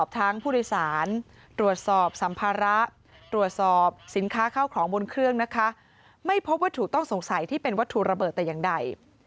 ตรวจสอบสินค้าเข้าของบนเครื่องนะคะไม่พบวัตถุต้องสงสัยที่เป็นวัตถุระเบิดแต่อย่างใด